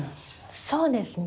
そうですね。